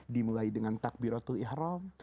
dimulai dengan takbiratul ihram